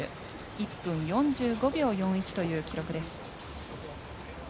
１分４５秒４１という記録です。